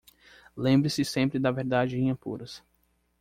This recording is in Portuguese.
Lembre-se sempre da verdade em apuros